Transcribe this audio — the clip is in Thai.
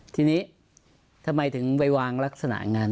ทีนี้ทำไมถึงไปวางลักษณะงาน